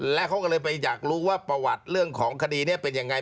และเขาก็เลยไปอยากรู้ว่าประวัติเรื่องของคดีนี้เป็นยังไง